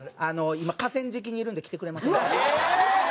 「今河川敷にいるんで来てくれませんか？」。